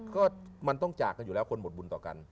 ก็มันต้องจากกันอยู่แล้วคนหมดบุญต่อกัน